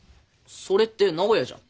それって名古屋じゃん。